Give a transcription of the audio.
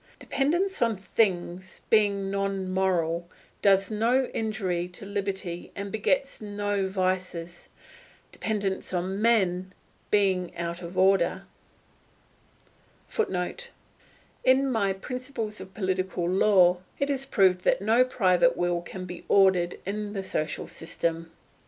Dependence on things, being non moral, does no injury to liberty and begets no vices; dependence on men, being out of order, [Footnote: In my PRINCIPLES OF POLITICAL LAW it is proved that no private will can be ordered in the social system.